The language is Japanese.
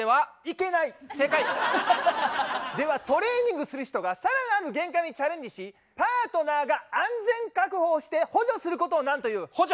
トレーニングする人が更なる限界にチャレンジしパートナーが安全確保をして補助することを何という？補助。